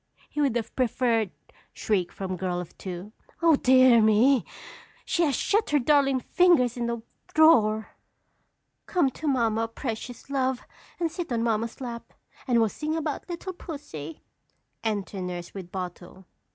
He would have preferred " (Shriek from girl of two.) Oh, dear me! She has shut her darling fingers in the drawer! Come to mamma, precious love, and sit on mamma's lap, and we'll sing about little pussy. _Enter nurse with bottle.